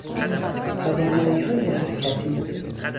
تواناییهای حرکتی